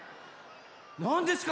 なんですか？